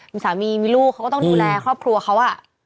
มีสามีมีลูกเขาก็ต้องดูแลครอบครัวเขา